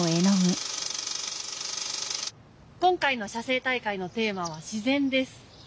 今回の写生大会のテーマは「自然」です。